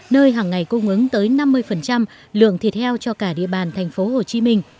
nơi hằng ngày cung ứng tới năm mươi lượng thịt heo cho cả địa bàn tp hcm